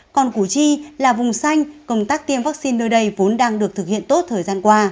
còn củ chi là vùng xanh công tác tiêm vaccine nơi đây vốn đang được thực hiện tốt thời gian qua